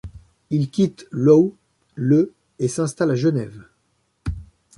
Il quitte Lwów le et s'installe à Genève.